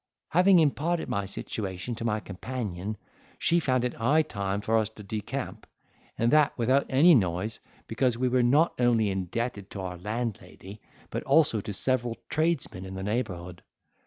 'Having imparted my situation to my companion, she found it high time for us to decamp, and that without any noise, because we were not only indebted to our landlady, but also to several tradesmen in the neighbourhood.